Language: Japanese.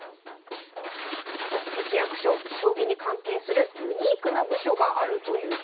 高槻市役所将棋に関係するユニークな部署があるということです。